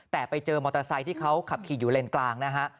แต่ไปเจอมอเตอร์ไซค์ที่เขาขับขี่อยู่เลนกลางนะฮะ